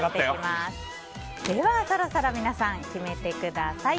そろそろ皆さん決めてください。